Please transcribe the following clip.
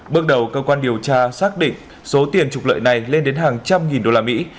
bước đầu cơ quan điều tra xác định số tiền trục lợi này lên đến hàng trăm nghìn đô la mỹ